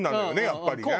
やっぱりね。